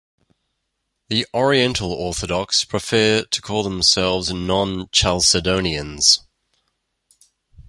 The Oriental Orthodox prefer to call themselves non-Chalcedonians.